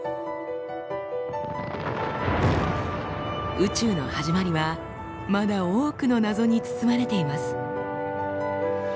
宇宙の始まりはまだ多くの謎に包まれています。